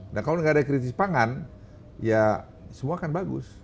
nah kalau nggak ada krisis pangan ya semua akan bagus